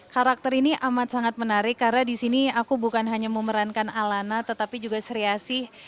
karakter ini amat sangat menarik karena disini aku bukan hanya memerankan alana tetapi juga sri asih